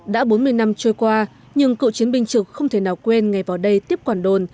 đã bốn mươi năm trôi qua nhưng cựu chiến binh trực không thể nào quên ngày vào đây tiếp quản đồn